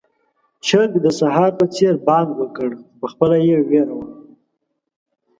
چرګ د سهار په څېر بانګ وکړ، خو پخپله يې وېره وه.